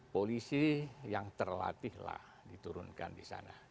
polisi yang terlatihlah diturunkan di sana